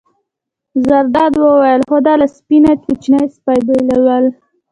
زرداد وویل: خو دا له سپۍ نه کوچنی سپی بېلول.